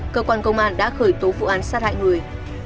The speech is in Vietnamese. cơ quan công an đã khởi tố vụ án sát hại người